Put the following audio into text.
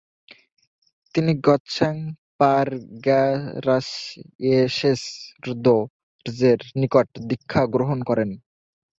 তিনি গ্ত্সাং-পা-র্গ্যা-রাস-য়ে-শেস-র্দো-র্জের নিকট দীক্ষাগ্রহণ করেন।